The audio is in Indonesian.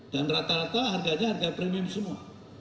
dan rata rata harganya harga premium semua